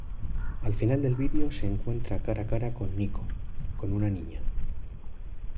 Al final del video se encuentra cara a cara con Nico con una niña.